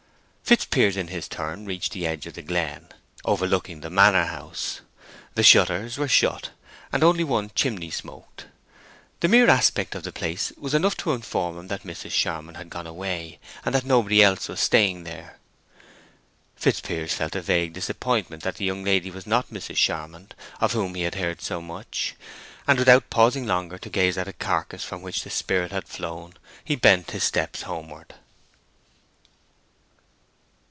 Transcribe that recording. Fitzpiers in his turn reached the edge of the glen, overlooking the manor house. The shutters were shut, and only one chimney smoked. The mere aspect of the place was enough to inform him that Mrs. Charmond had gone away and that nobody else was staying there. Fitzpiers felt a vague disappointment that the young lady was not Mrs. Charmond, of whom he had heard so much; and without pausing longer to gaze at a carcass from which the spirit had flown, he bent his steps homeward.